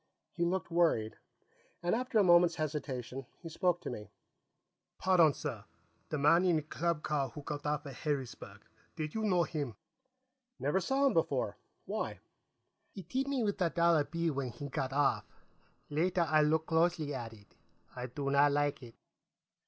He looked worried, and after a moment's hesitation, he spoke to me. "Pardon, sir. The man in the club car who got off at Harrisburg; did you know him?" "Never saw him before. Why?" "He tipped me with a dollar bill when he got off. Later, I looked closely at it. I do not like it."